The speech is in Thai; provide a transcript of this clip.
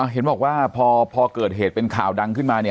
เห็นบอกว่าพอเกิดเหตุเป็นข่าวดังขึ้นมา